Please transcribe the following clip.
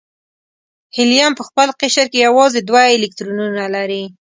هیلیم په خپل قشر کې یوازې دوه الکترونونه لري.